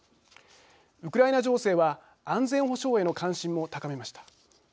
ウクライナ情勢は安全保障への関心も高めました。